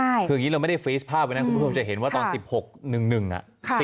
คืออย่างนี้เราไม่ได้ฟีสภาพไว้นะคุณผู้ชมจะเห็นว่าตอน๑๖๑๑อ่ะ